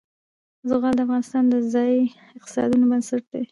زغال د افغانستان د ځایي اقتصادونو بنسټ دی.